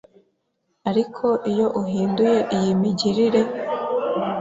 Ariko iyo uhinduye iyi migirire,